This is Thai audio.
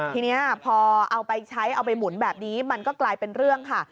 ทีนี้พอเอาไปใช้เอาไปหมุนแบบนี้มันก็กลายเป็นเรื่องค่ะ